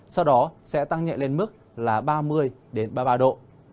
sau đó sẽ tăng nhẹ lên mức là ba mươi ba mươi ba độ